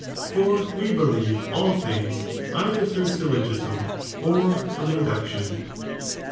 For we believe all things Bboif nanied either through syllogism or Irom induction.